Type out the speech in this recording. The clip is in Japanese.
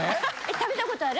食べたことある？